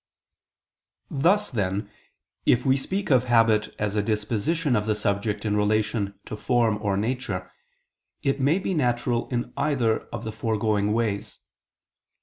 Thus, then, if we speak of habit as a disposition of the subject in relation to form or nature, it may be natural in either of the foregoing ways.